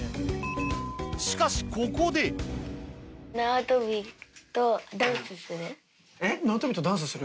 しかしここでなわとびとダンスする？